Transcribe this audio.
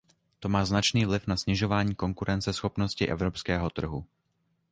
To má značný vliv na snižování konkurenceschopnosti evropského trhu.